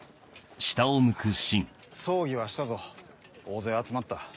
葬儀はしたぞ大勢集まった。